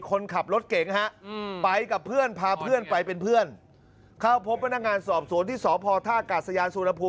คนขับรถเก่งฮะไปกับเพื่อนพาเพื่อนไปเป็นเพื่อนเข้าพบพนักงานสอบสวนที่สพท่ากาศยานสุรภูมิ